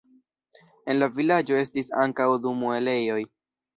En la vilaĝo estis ankaŭ du muelejoj.